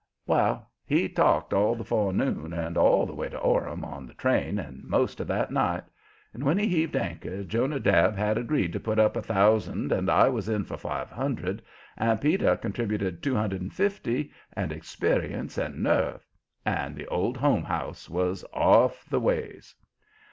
Well, he talked all the forenoon and all the way to Orham on the train and most of that night. And when he heaved anchor, Jonadab had agreed to put up a thousand and I was in for five hundred and Peter contributed two hundred and fifty and experience and nerve. And the "Old Home House" was off the ways.